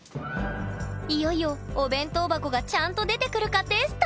いよいよお弁当箱がちゃんと出てくるかテスト！